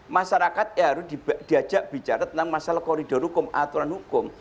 masyarakat harus diajak bicara tentang masalah koridor hukum aturan hukum